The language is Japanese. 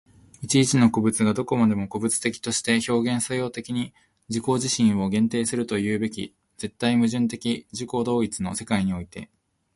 一々の個物がどこまでも個物的として表現作用的に自己自身を限定するというべき絶対矛盾的自己同一の世界において、